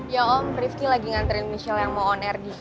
ya om rifki lagi ngantrin michelle yang mau on air di gtv